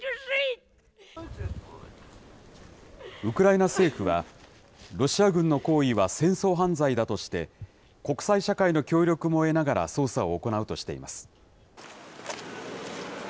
ウクライナ政府は、ロシア軍の行為は戦争犯罪だとして、国際社会の協力も得ながら捜査を行うとしています。